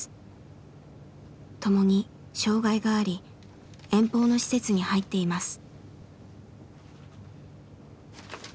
ともに障害があり遠方の施設に入っています。